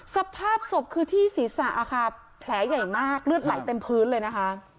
สภาพศพคือที่ศีรษะค่ะแผลใหญ่มากเลือดไหลเต็มพื้นเลยนะคะ